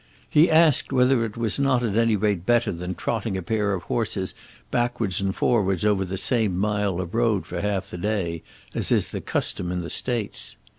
He asked whether it was not at any rate better than trotting a pair of horses backwards and forwards over the same mile of road for half the day, as is the custom in the States.